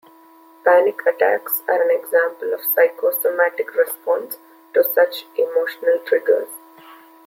Panic attacks are an example of a psychosomatic response to such emotional triggers.